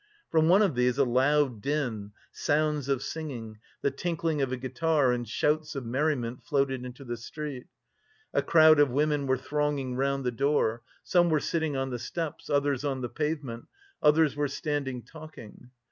From one of these a loud din, sounds of singing, the tinkling of a guitar and shouts of merriment, floated into the street. A crowd of women were thronging round the door; some were sitting on the steps, others on the pavement, others were standing talking.